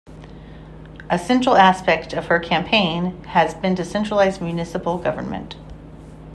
A central aspect of her campaign has been to centralize municipal government.